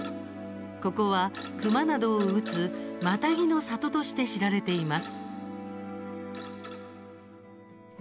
ここは、熊などを撃つマタギの里として知られています。